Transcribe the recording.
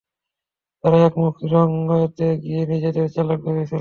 তারা একমুখী রং ওয়েতে গিয়ে নিজেদের চালাক ভেবেছিলো।